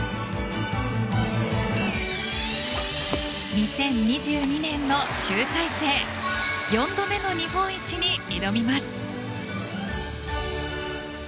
２０２２年の集大成４度目の日本一に挑みます。